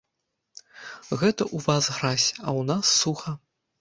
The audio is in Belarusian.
Гэта ў вас гразь, а ў нас суха!